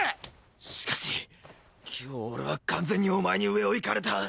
しかし今日俺は完全におまえに上を行かれた。